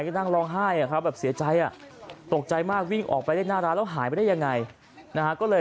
ก็นั่งร้องไห้แบบเสียใจตกใจมากวิ่งออกไปเล่นหน้าร้านแล้วหายไปได้ยังไง